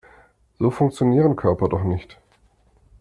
So funktionieren Körper doch nicht.